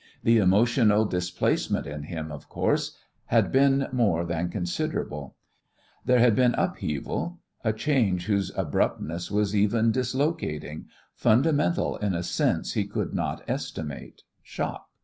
The emotional displacement in him, of course, had been more than considerable: there had been upheaval, a change whose abruptness was even dislocating, fundamental in a sense he could not estimate shock.